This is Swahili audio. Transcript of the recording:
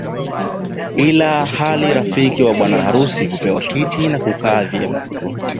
Ili hali rafiki wa bwana harusi hupewa kiti na hukaa vyema